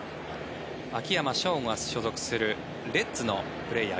秋山翔吾が所属するレッズのプレーヤー。